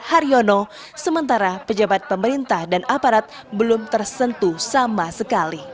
haryono sementara pejabat pemerintah dan aparat belum tersentuh sama sekali